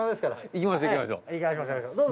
行きましょう。